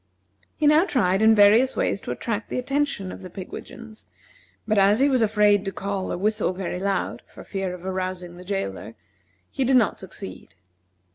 He now tried in various ways to attract the attention of the pigwidgeons; but as he was afraid to call or whistle very loud, for fear of arousing the jailor, he did not succeed.